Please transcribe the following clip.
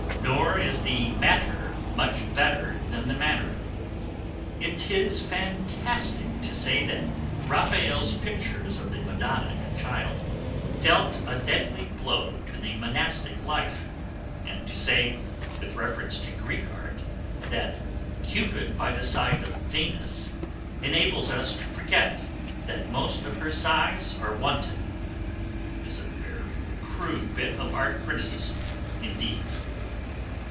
Nor is the matter much better than the manner. It is fantastic to say that Raphael's pictures of the Madonna and Child dealt a deadly blow to the monastic life, and to say, with reference to Greek art, that 'Cupid by the side of Venus enables us to forget that most of her sighs are wanton' is a very crude bit of art criticism indeed.